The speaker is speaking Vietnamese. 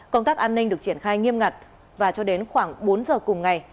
công tác an ninh được triển khai nghiêm ngặt và cho đến khoảng bốn giờ cùng ngày